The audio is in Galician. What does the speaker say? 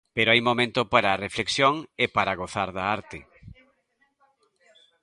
Pero hai momento para a reflexión e para gozar da arte.